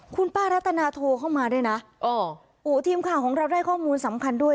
คุณป้ารัตนาโทรเข้ามาด้วยนะอ๋อทีมข่าวของเราได้ข้อมูลสำคัญด้วย